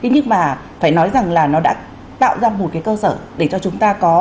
nhưng mà phải nói rằng là nó đã tạo ra một cái cơ sở để cho chúng ta có